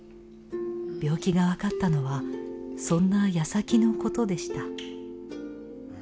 病気がわかったのはそんな矢先のことでした。